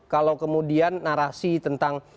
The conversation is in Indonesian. kalau kemudian narasi tentang